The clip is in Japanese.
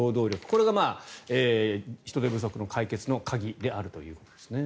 これが人手不足の解決の鍵であるということですね。